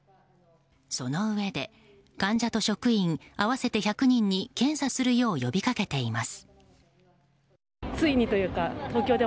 そのうえで患者と職員合わせて１００人に検査するよう呼びかけています。